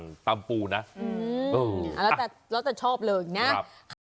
เราจะชอบเลยนะ